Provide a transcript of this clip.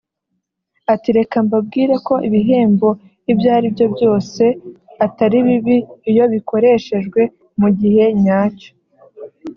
Ati “Reka mbabwire ko ibihembo ibyo ari byo byose atari bibi iyo bikoreshejwe mu gihe nyacyo